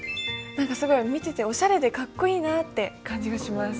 何かすごい見てておしゃれでかっこいいなって感じがします。